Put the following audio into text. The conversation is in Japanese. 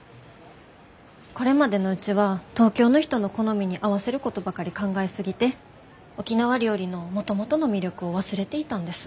これまでのうちは東京の人の好みに合わせることばかり考え過ぎて沖縄料理のもともとの魅力を忘れていたんです。